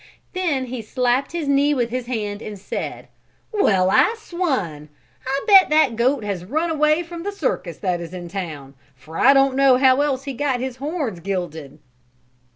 Then he slapped his knee with his hand and said: "Well, I swan! I bet that goat has run away from the circus that is in town for I don't know how else he got his horns gilded."